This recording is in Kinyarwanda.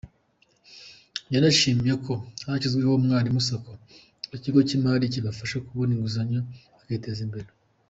Yanashimye ko hashyizweho Umwalimu Sacco, ikigo cy’imari kibafasha kubona inguzanyo bakiteza imbere.